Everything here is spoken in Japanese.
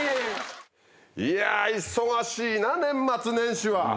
いや忙しいな年末年始は。